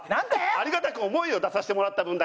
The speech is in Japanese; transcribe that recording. ありがたく思えよ出させてもらった分だけ。